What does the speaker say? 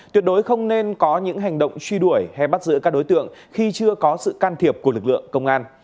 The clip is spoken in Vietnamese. tuyệt đối không nên có những hành động truy đuổi hay bắt giữ các đối tượng khi chưa có sự can thiệp của lực lượng công an